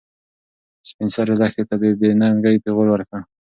سپین سرې لښتې ته د بې ننګۍ پېغور ورکړ.